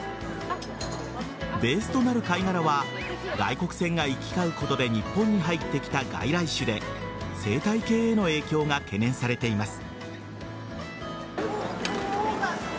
ベースとなる貝殻は外国船が行き交うことで日本に入ってきた外来種で生態系への影響が懸念されています。